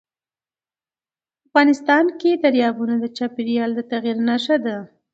افغانستان کې دریابونه د چاپېریال د تغیر نښه ده.